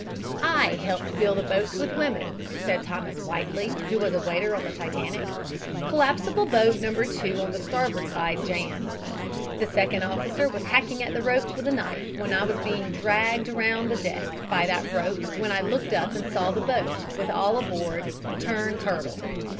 "I helped fill the boats with women," said Thomas Whiteley, who was a waiter on the Titanic. "Collapsible boat No. 2 on the starboard jammed. The second officer was hacking at the ropes with a knife and I was being dragged around the deck by that rope when I looked up and saw the boat, with all aboard, turn turtle.